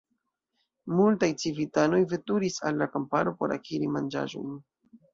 Multaj civitanoj veturis al la kamparo por akiri manĝaĵojn.